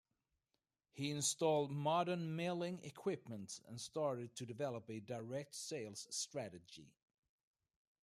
He installed modern milling equipment and started to develop a direct sales strategy.